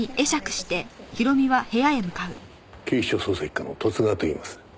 警視庁捜査一課の十津川といいます。